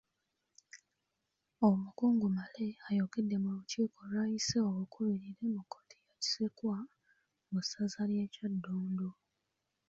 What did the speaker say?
Omukungu Male ayogedde mu lukiiko lw’ayise obukubirire mu kkooti ya Kisekwa mu ssaza ly’e Kyaddondo